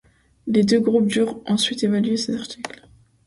Les deux groupes durent ensuite évaluer ces articles.